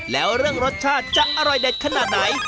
แล้วเรื่องรสชาติจะอร่อยเด็ดขนาดไหน